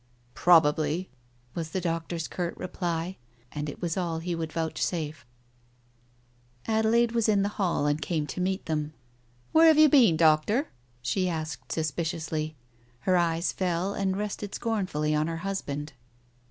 "Probably," was the doctor's curt reply, and it was all he would vouchsafe. Adelaide was in the hall and came to meet theirt. "Where have you been, Doctor?" she asked sus piciously. Her eyes fell and rested scornfully on her husband.